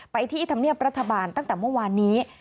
ที่ธรรมเนียบรัฐบาลตั้งแต่เมื่อวานนี้